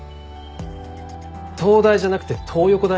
東大じゃなくて東横大な。